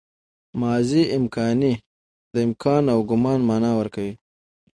ماضي امکاني د امکان او ګومان مانا ورکوي.